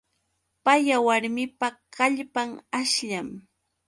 Paya warmipa kallpan ashllam.